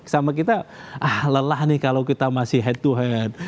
sama kita ah lelah nih kalau kita masih head to head